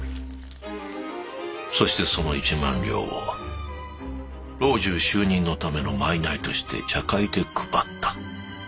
そしてその１万両を老中就任のための賄として茶会で配った。